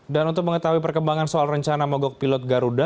dan untuk mengetahui perkembangan soal rencana mogok pilot garuda